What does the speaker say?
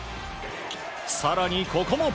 更に、ここも。